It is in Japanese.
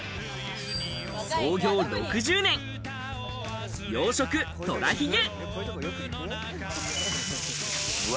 創業６０年、洋食とらひげ。